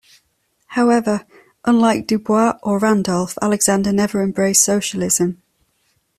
However, unlike Dubois or Randolph, Alexander never embraced socialism.